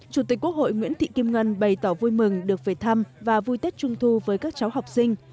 chủ tịch quốc hội nguyễn thị kim ngân bày tỏ vui mừng được về thăm và vui tết trung thu với các cháu học sinh